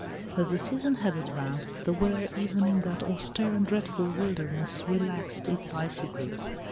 As the season had advanced the weather even in that austere and dreadful wilderness relaxed its icy grip.